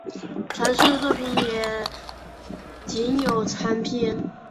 传世的作品也仅有残篇。